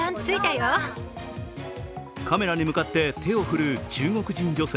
カメラに向かって手を振る中国人女性。